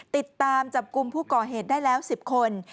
ติดตามจับกลุ่มผู้ก่อเหตุได้แล้ว๑๐คน